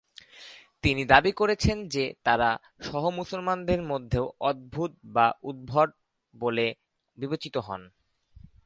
তিনি দাবি করেছেন যে তারা সহ-মুসলমানদের মধ্যেও অদ্ভুত বা উদ্ভট বলে বিবেচিত হন।